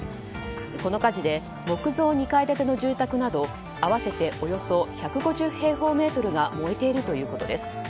この火事で木造２階建ての住宅など合わせておよそ１５０平方メートルが燃えているということです。